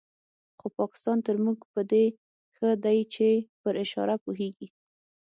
خو پاکستان تر موږ په دې ښه دی چې پر اشاره پوهېږي.